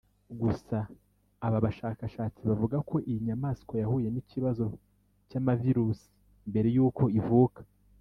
Gusa aba bashakashatsi bavuga ko iyi nyamaswa yahuye n’ikibazo cy’amavirusi mbere y’uko ivuka